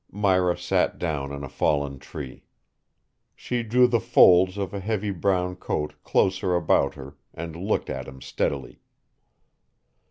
Myra sat down on a fallen tree. She drew the folds of a heavy brown coat closer about her and looked at him steadily.